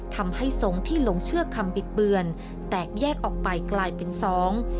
ทรงที่หลงเชื่อคำบิดเบือนแตกแยกออกไปกลายเป็นสอง